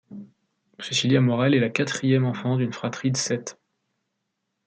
Cecilia Morel est la quatrième enfant d'une fratrie de sept.